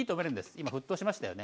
今沸騰しましたよね。